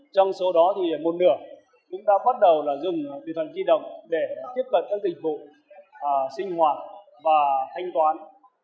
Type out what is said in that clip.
trong số đó thì một nửa cũng đã bắt đầu dùng biên thoại di động để tiếp cận các dịch vụ sinh hoạt và thanh toán